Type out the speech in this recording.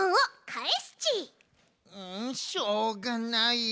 んしょうがない。